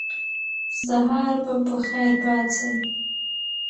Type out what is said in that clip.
سهار به په خیر پاڅئ.